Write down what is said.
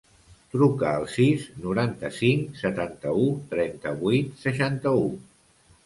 Truca al sis, noranta-cinc, setanta-u, trenta-vuit, seixanta-u.